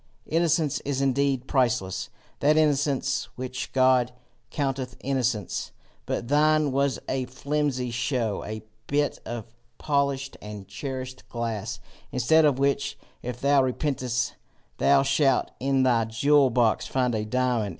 Innocence is indeed priceless that innocence which God counteth innocence, but thine was a flimsy show, a bit of polished and cherished glass instead of which, if thou repentest, thou shalt in thy jewel box find a diamond.